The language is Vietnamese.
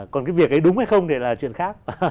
còn cái việc ấy đúng hay không thì là chuyện khác